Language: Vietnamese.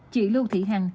chị lưu thị hằng